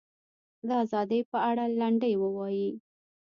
د ازادۍ په اړه لنډۍ ووایي.